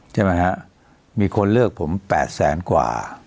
ใช่ไหมฮะมีคนเลือกผม๘แสนกว่า